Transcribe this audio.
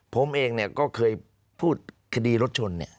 ผมเองเนี่ยก็เคยพูดคดีรถชนเนี่ย